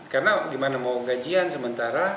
karena gimana mau gajian sementara